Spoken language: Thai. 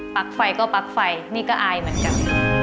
ไฟก็ปลั๊กไฟนี่ก็อายเหมือนกัน